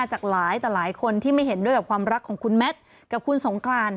จากหลายต่อหลายคนที่ไม่เห็นด้วยกับความรักของคุณแมทกับคุณสงกราน